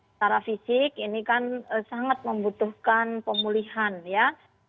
secara fisik ini kan sangat membutuhkan pemulihan ya